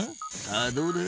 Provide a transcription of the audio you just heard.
さあどうだ？